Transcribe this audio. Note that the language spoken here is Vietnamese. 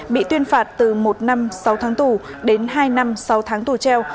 bị tuyên phạt từ một năm sáu tháng tù đến hai năm sáu tháng tù treo